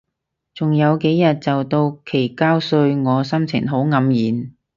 仲有幾日就到期交稅，我心情好黯然